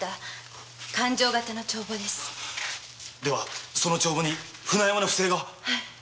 ではその帳簿に船山の不正が！？